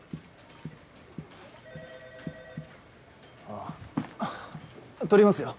あっ取りますよ。